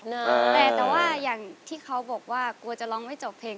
แต่แต่ว่าอย่างที่เขาบอกว่ากลัวจะร้องไม่จบเพลง